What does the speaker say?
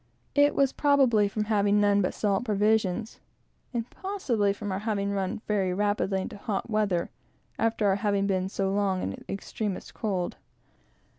It was probably from having none but salt provisions, and possibly from our having run very rapidly into hot weather, after having been so long in the extremest cold.